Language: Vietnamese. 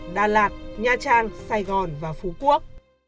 đà lạt nha trang sài gòn và phú quốc